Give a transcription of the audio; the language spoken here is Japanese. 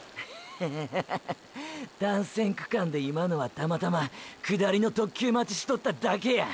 ッハハハハ単線区間で今のはたまたま下りの特急待ちしとっただけや。